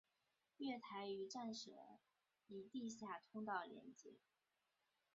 月台与站舍以地下通道连结。